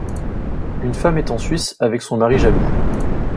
Une femme est en Suisse avec son mari jaloux.